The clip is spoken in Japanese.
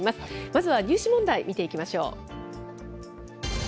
まずは入試問題、見ていきましょう。